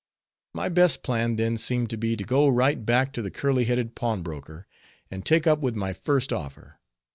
My best plan then seemed to be to go right back to the curly headed pawnbroker, and take up with my first offer.